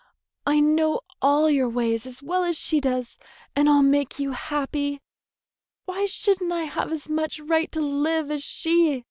I know all your ways as well as she does, and I'll make you happy. Why should n't I have as much right to live as she?"